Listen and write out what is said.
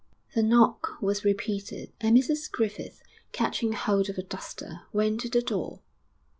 The knock was repeated, and Mrs Griffith, catching hold of a duster, went to the door.